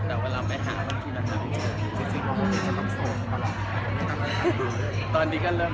แต่ว่าเราไม่หาวันนั้นยังไม่รัก